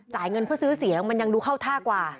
จ่ายเงินเพื่อซื้อเสียงมันยังดูเข้าท่ากว่า